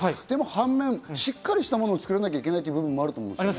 半面、しっかりしたものを作らなきゃいけないという部分もあると思います。